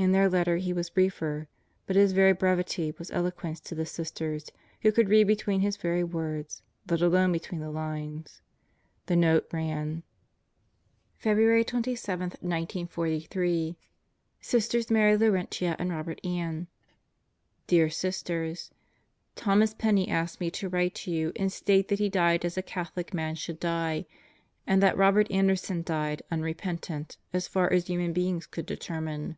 In their letter he was briefer, but his very brevity was eloquence to the Sisters who could read between his very words, let alone between the lines. The note ran: The Dead Live and Work 207 February 27, 1943 Sisters Mary Laurentia and Robert Ann Dear Sisters: Thomas Penney asked me to write to you and state that he died as a Catholic man should die and that Robert Anderson died unre pentant as far as human beings could determine.